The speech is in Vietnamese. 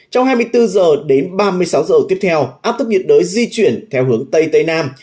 trong hai mươi bốn h đến ba mươi sáu h tiếp theo áp thấp nhiệt đới di chuyển theo hướng tây tây nam